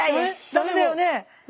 ダメだよね。